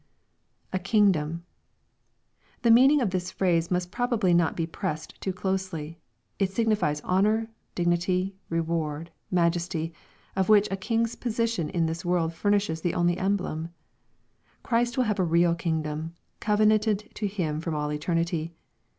[A kingdom.] The meaning of this phrase must probably not be pressed too closely. It signifies honor, dignity, reward, majesty, of which a king's position in this world furnishes the only emblem. Christ will have a real kingdom, covenanted to Him from all eter nity.